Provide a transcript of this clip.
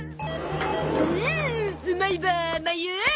うんウマイバーまいう！